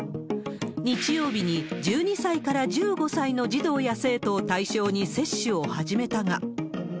日曜日に、１２歳から１５歳の児童や生徒を対象に接種を始めたが。